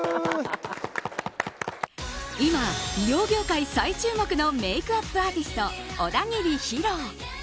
今、美容業界最注目のメイクアップアーティスト小田切ヒロ。